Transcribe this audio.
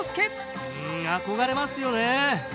うん憧れますよね。